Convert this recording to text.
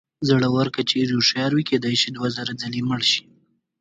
زړور که چېرې هوښیار وي کېدای شي دوه زره ځلې مړ شي.